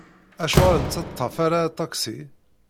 Acuɣer ur nettaṭṭaf ara aṭaksi?